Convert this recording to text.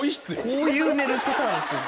こういう寝るパターンですよ。